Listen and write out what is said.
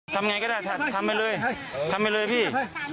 ทำไงก็ได้ทำไปเลยทำไปเลยพี่